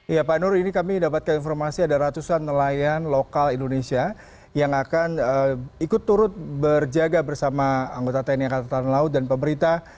ya pak nur ini kami dapatkan informasi ada ratusan nelayan lokal indonesia yang akan ikut turut berjaga bersama anggota tni angkatan laut dan pemerintah